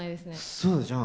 そうじゃん。